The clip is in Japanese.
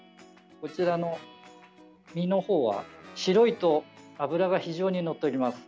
こちらも身のほうは白いと脂が非常にのっています。